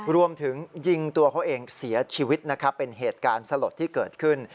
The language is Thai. รวมถึงยิงตัวเขาเองเสียชีวิตนะครับเป็นเหตุการณ์สลดที่เกิดขึ้น